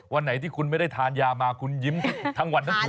วันไหนที่คุณไม่ได้ทานยามาคุณยิ้มทั้งวันทั้งคืน